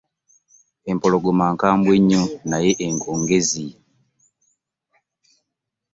Empologoma nkambwe nnyo naye engo ngezi.